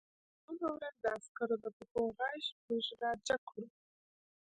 په درېیمه ورځ د عسکرو د پښو غږ موږ راجګ کړو